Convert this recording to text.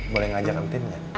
boleh ngajak kan timnya